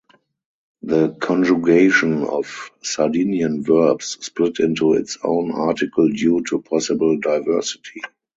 The conjugation of Sardinian verbs split into its own article due to possible diversity.